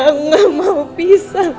aku gak mau pisah